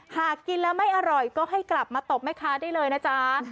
หากกินแล้วไม่อร่อยก็ให้กลับมาตบแม่ค้าได้เลยนะจ๊ะ